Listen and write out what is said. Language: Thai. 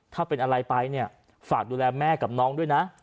ถ้าเป็นอะไรไปเนี่ยฝากดูแลแม่กับน้องด้วยนะ